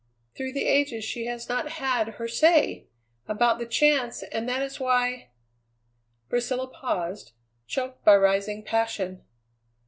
Through the ages she has not had her say about the chance, and that is why " Priscilla paused, choked by rising passion.